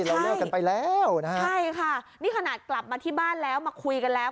เราเลิกกันไปแล้วนะฮะใช่ค่ะนี่ขนาดกลับมาที่บ้านแล้วมาคุยกันแล้ว